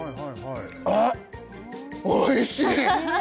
あっおいしい！